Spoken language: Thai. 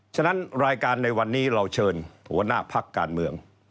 ฉะนั้นรายการในวันนี้เราเชิญหัวหน้าพักการเมือง